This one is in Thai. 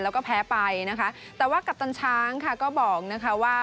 แล้วก็แพ้ไปนะคะแต่ว่ากัปตันช้างค่ะก็บอกนะคะว่า